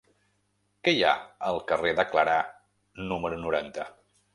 Què hi ha al carrer de Clarà número noranta?